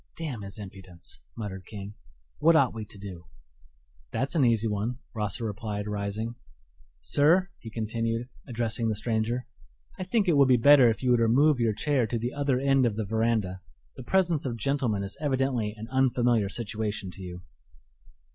"Damn his impudence!" muttered King "what ought we to do?" "That's an easy one," Rosser replied, rising. "Sir," he continued, addressing the stranger, "I think it would be better if you would remove your chair to the other end of the veranda. The presence of gentlemen is evidently an unfamiliar situation to you."